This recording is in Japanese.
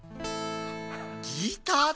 ギターだ。